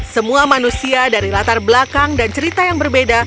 semua manusia dari latar belakang dan cerita yang berbeda